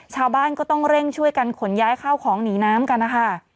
ชาวบ้านก็ต้องเร่งช่วยกันขนย้ายข้าวของหนีน้ำกันนะคะ